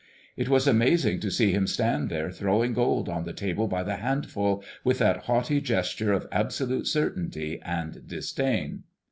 It was amazing to see him stand there throwing gold on the table by the handful, with that haughty gesture of absolute certainty and disdain.